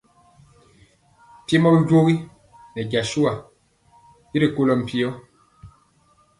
Mpiemɔ bijogi nɛ jasua y rikolɔ mpio.